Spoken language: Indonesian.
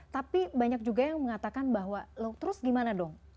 tapi banyak juga yang mengatakan bahwa loh terus gimana dong